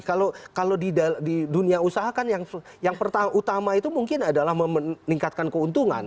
kalau di dunia usaha kan yang pertama itu mungkin adalah meningkatkan keuntungan